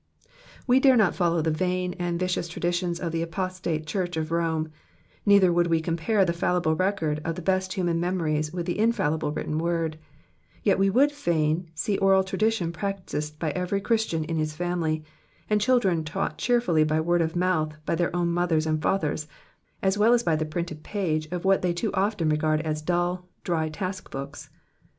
We dare not follow the vain and vicious traditions of the apostate church of Rome, neither would we compare the fallible record of the best human memories with the infallible written word, yet would we fain see oral tradition practised by every Christian in his family, and children taught cheerfully by word of mouth by their own mothers and fathers, as well as by the printed pages of what they too often regard as dull, dry task books.